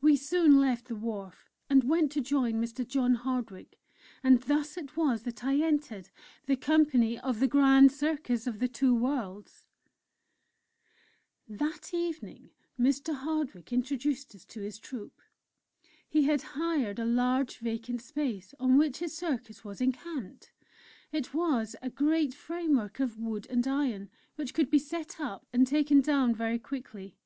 We soon left the wharf, and went to join Mr. John Hardwick. And thus it was that I entered the company of "The Grand Circus of the Two Worlds." That evening Mr. Hardwick introduced us to his Troupe. He had hired a large vacant space on which his circus was encamped; it was a great framework of wood and iron, which could be set up and taken down very quickly.